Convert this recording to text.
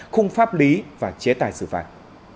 khung pháp lý và chế tài xử phạt